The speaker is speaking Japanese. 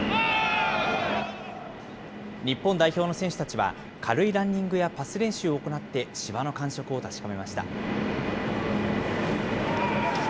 日本代表の選手たちは、軽いランニングやパス練習を行って芝の感触を確かめました。